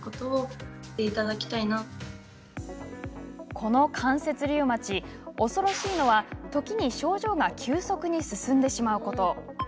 この関節リウマチ、恐ろしいのは時に症状が急速に進んでしまうこと。